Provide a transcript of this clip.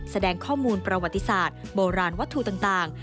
แสดงข้อมูลประวัติศาสตร์โบราณวัตถุต่าง